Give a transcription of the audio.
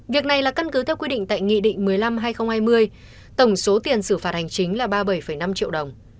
việc này là căn cứ theo quy định tại nghị định một mươi năm hai nghìn hai mươi tổng số tiền xử phạt hành chính là ba mươi bảy năm triệu đồng